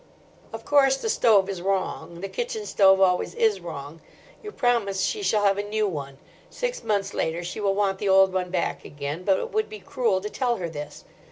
Of course the stove is wrong. The kitchen stove always is wrong. You promise she shall have a new one. Six months later she will want the old one back again: but it would be cruel to tell her this.